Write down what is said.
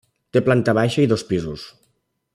Té planta baixa i dos pisos.